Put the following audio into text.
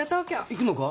行くのか？